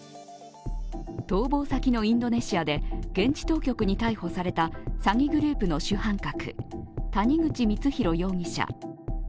逃亡先のインドネシアで現地当局に逮捕された詐欺グループの主犯格、谷口光弘容疑者。